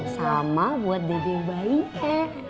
sama buat dede bayinya